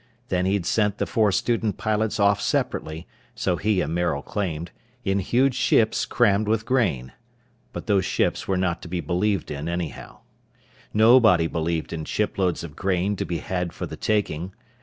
Then he'd sent the four student pilots off separately, so he and Maril claimed, in huge ships crammed with grain. But those ships were not to be believed in, anyhow. Nobody believed in shiploads of grain to be had for the taking.